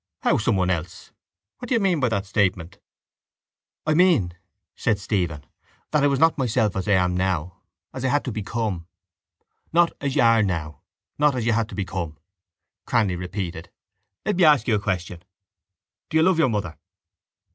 —How someone else? What do you mean by that statement? —I mean, said Stephen, that I was not myself as I am now, as I had to become. —Not as you are now, not as you had to become, Cranly repeated. Let me ask you a question. Do you love your mother?